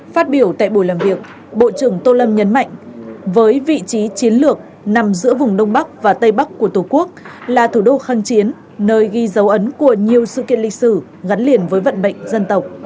phát biểu tại buổi làm việc bộ trưởng tô lâm nhấn mạnh với vị trí chiến lược nằm giữa vùng đông bắc và tây bắc của tổ quốc là thủ đô kháng chiến nơi ghi dấu ấn của nhiều sự kiện lịch sử gắn liền với vận mệnh dân tộc